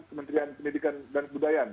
kementerian pendidikan dan kebudayaan